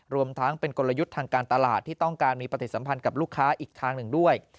รวมทั้งเป็นกลยุทธ์ทางการตลาดที่ต้องการมีปฏิสัมพันธ์กับลูกค้าอีกทางหนึ่งด้วย